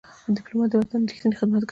ډيپلومات د وطن ریښتینی خدمتګار دی.